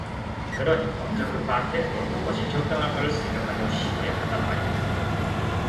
그러니 먼저 그 밭에 어떤 것이 적당할까를 생각하여 심어야 한단 말이우.